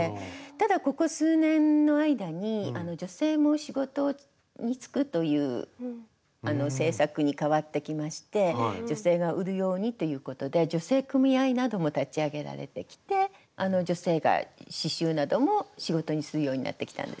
ただここ数年の間に女性も仕事に就くという政策に変わってきまして女性が売るようにということで女性組合なども立ち上げられてきて女性が刺しゅうなども仕事にするようになってきたんです。